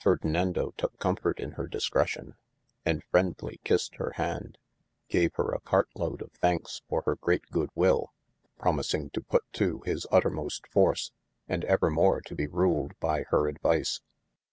Ferdinando tooke comforte in hir discrecion, & ljreendly kissed hir hand, gave hir a cartlode of thankes for hir greate good will, promising to put to his uttermost force, and evermore to be ruled by hyr advice.